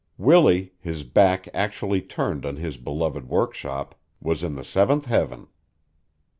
Willie, his back actually turned on his beloved workshop, was in the seventh heaven.